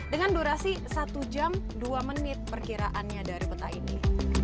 dengan durasi satu jam dua menit perkiraannya dari peta ini